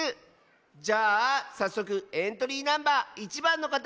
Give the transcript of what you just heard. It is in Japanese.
じゃあさっそくエントリーナンバー１ばんのかたどうぞ！